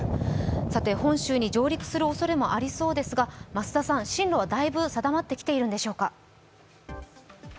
本州に上陸するおそれもありそうですが、増田さん、進路はだいぶ定まってきているんでしょうか？